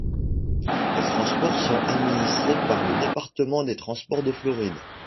Les transports sont administrés par le département des Transports de Floride.